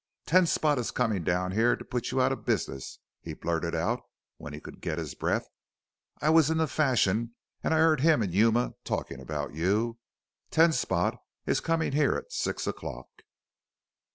"Ten Spot is comin' down here to put you out of business!" he blurted out when he could get his breath. "I was in the Fashion an' I heard him an' Yuma talkin' about you. Ten Spot is comin' here at six o'clock!"